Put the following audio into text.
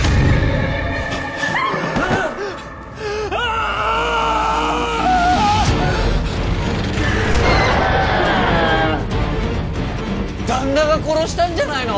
あぁ‼旦那が殺したんじゃないの？